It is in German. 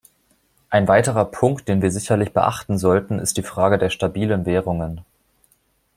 Ein weiterer Punkt, den wir sicherlich beachten sollen, ist die Frage der stabilen Währungen.